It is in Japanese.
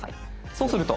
そうすると。